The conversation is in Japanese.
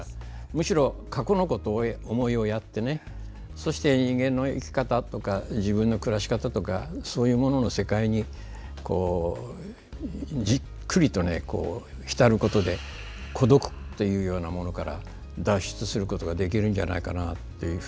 むしろ過去のことを思って人間の生き方とか自分の暮らし方とかそういうものの世界にじっくりと浸ることで孤独というようなものから脱出することができるんじゃないかなと。